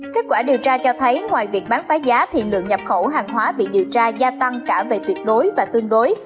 kết quả điều tra cho thấy ngoài việc bán phá giá thì lượng nhập khẩu hàng hóa bị điều tra gia tăng cả về tuyệt đối và tương đối